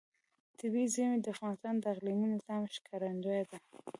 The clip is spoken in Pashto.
طبیعي زیرمې د افغانستان د اقلیمي نظام ښکارندوی ده.